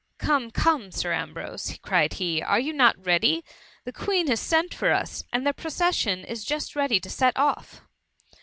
—" Come, come, Sir Ambrose!" cried he, are you not ready? The Queen has sent for us, and the procession is just ready to set off.''